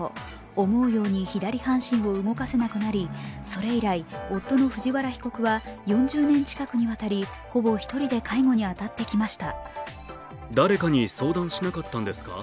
思うように左半身を動かせなくなり、それ以来、夫の藤原被告は４０年近くにわたり、ほぼ１人で介護に当たってきました。